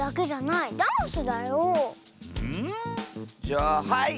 じゃあはい！